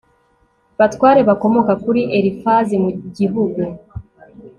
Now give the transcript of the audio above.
batware bakomoka kuri Elifazi mu gihugu